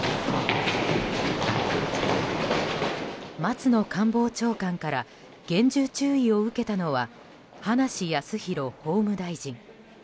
松野官房長官から厳重注意を受けたのは葉梨康弘法務大臣。